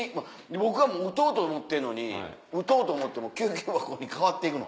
僕は撃とうと思ってんのに撃とうと思っても救急箱に変わっていくの。